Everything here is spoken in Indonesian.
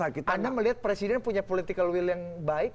anda melihat presiden punya political will yang baik